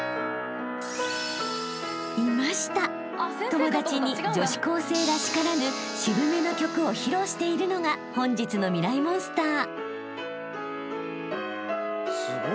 ［友達に女子高生らしからぬ渋めの曲を披露しているのが本日のミライ☆モンスター］